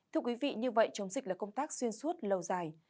thưa quý vị như vậy chống dịch là công tác xuyên suốt lâu dài